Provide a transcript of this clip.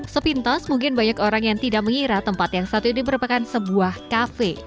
sepintas mungkin banyak orang yang tidak mengira tempat yang satu ini merupakan sebuah kafe